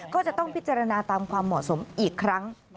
ก็จะต้องพิจารณาตามความเหมาะสมอีกครั้ง